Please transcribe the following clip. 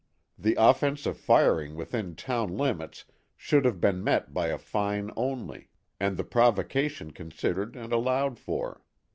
The offense of firing within town limits should have been met by a fine only, and the provocation considered and allowed for.